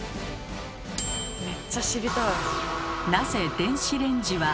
めっちゃ知りたい。